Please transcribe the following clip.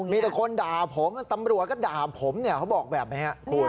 มีแต่คนด่าผมตำรวจก็ด่าผมเขาบอกแบบนี้